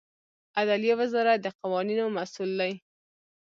عدلیې وزارت د قوانینو مسوول دی